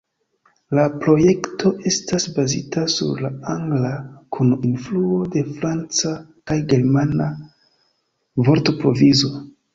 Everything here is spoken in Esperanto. La projekto estas bazita sur la angla kun influo de franca kaj germana vortprovizo.